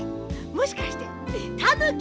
もしかしてたぬき？